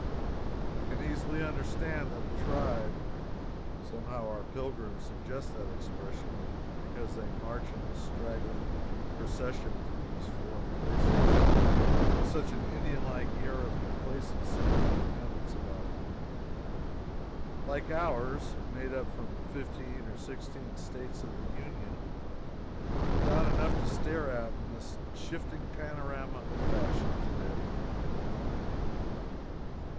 You can easily understand that a tribe (somehow our pilgrims suggest that expression, because they march in a straggling procession through these foreign places with such an Indian like air of complacency and independence about them) like ours, made up from fifteen or sixteen states of the Union, found enough to stare at in this shifting panorama of fashion today.